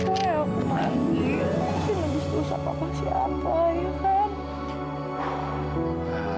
mungkin lagi susah papa siapa ya kan